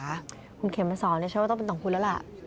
คุณเข็มมาสอนเชื่อว่าต้องเป็นของคุณแล้วล่ะ